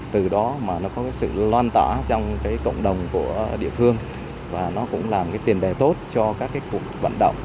từ đó mà nó có sự loan tỏa trong cộng đồng của địa thương và nó cũng làm tiền đề tốt cho các cuộc vận động